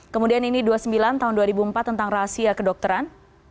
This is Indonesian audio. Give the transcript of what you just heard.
kemudian ini dua puluh sembilan tahun dua ribu empat tentang rahasia kedokteran